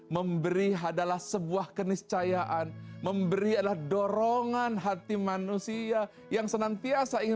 memberi adalah sebuah keniscayaan memberi adalah dorongan hati manusia yang senantiasa ingin